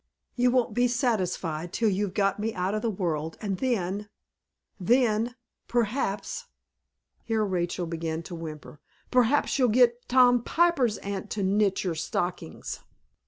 You won't be satisfied till you've got me out of the world, and then then, perhaps " here Rachel began to whimper, "perhaps you'll get Tom Piper's aunt to knit your stockings."